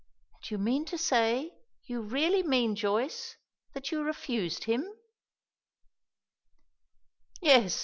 "And you mean to say you really mean, Joyce, that you refused him?" "Yes.